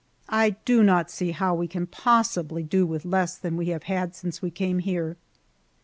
I do not see how we can possibly do with less than we have had since we came here.